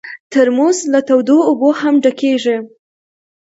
ترموز له تودو اوبو هم ډکېږي.